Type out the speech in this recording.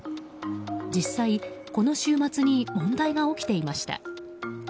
実際、この週末に問題が起きていました。